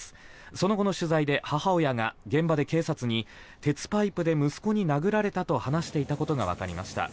その後の取材で母親が現場で警察に鉄パイプで息子に殴られたと話していたことがわかりました。